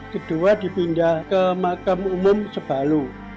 kedua dipindah ke makam umum sebalu